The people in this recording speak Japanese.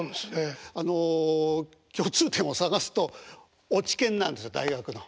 あの共通点を探すと落研なんですよ大学の。